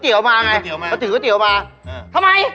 ใช่พี่มีคนซื้อก๋วยเตี๋ยวบ้างล่ะ